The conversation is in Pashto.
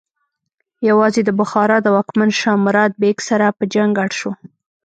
یوازې د بخارا د واکمن شاه مراد بیک سره په جنګ اړ شو.